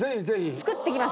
作ってきます。